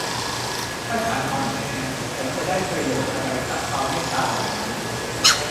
ถ้าฉันอ่อนแอ ฉันจะได้ประโยชน์อะไรจากความเมตตาเหล่านี้